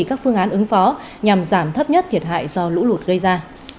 các phương án ứng phó nhằm giảm thấp nhất thiệt hại do lũ lụt gây ra